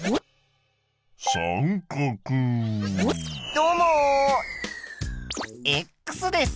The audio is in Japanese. どうもです。